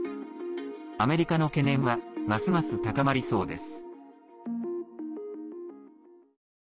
アメリカの懸念はますます高まりそうです。